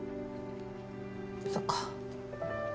そっか。